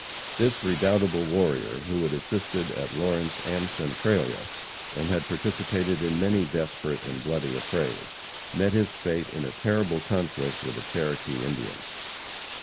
This redoubtable warrior, who had assisted at Lawrence and Centralia, and had participated in many desperate and bloody affrays, met his fate in a terrible conflict with a Cherokee Indian.